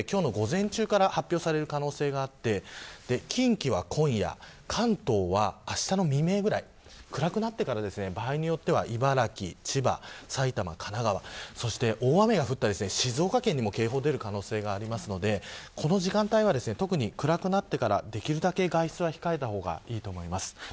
まず九州で、今日の午前中から発表される可能性があって近畿は今夜、関東はあしたの未明くらい暗くなってから場合によっては茨城、千葉埼玉、神奈川、そして大雨が降って静岡県にも警報が出る可能性があるのでこの時間帯、特に暗くなってからできるだけ外出を控えた方がいいと思います。